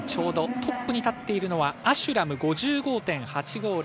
トップに立っているのはアシュラム５７．８５０。